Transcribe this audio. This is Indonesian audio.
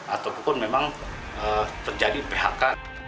ataupun memang terjadi phk